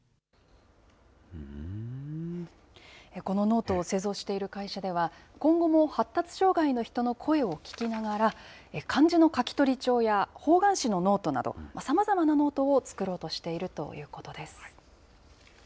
このノートを製造している会社では、今後も発達障害の人の声を聞きながら、漢字の書き取り帳や方眼紙のノートなど、さまざまなノートを作ろうとしているということです。